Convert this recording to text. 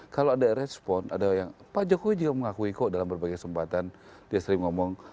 kalau ada respon ada yang pak jokowi juga mengakui kok dalam berbagai kesempatan dia sering ngomong